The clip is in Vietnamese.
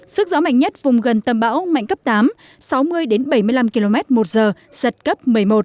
sức gió mạnh nhất vùng gần tâm bão mạnh cấp tám sáu mươi bảy mươi năm km một giờ giật cấp một mươi một